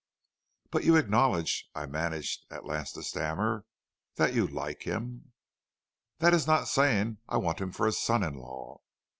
"'But you acknowledge,' I managed at last to stammer, 'that you like him.' "'That is not saying I want him for a son in law.'